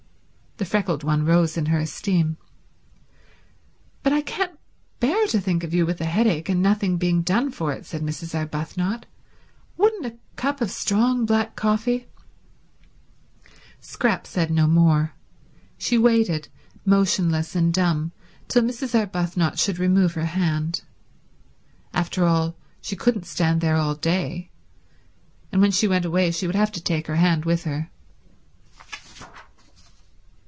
The freckled one rose in her esteem. "But I can't bear to think of you with a headache and nothing being done for it," said Mrs. Arbuthnot. "Would a cup of strong black coffee—?" Scrap said no more. She waited, motionless and dumb, till Mrs. Arbuthnot should remove her hand. After all, she couldn't stand there all day, and when she went away she would have to take her hand with her.